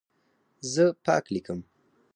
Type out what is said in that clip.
زه پاک لیکم.